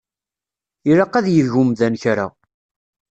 Ilaq ad yeg umdan kra.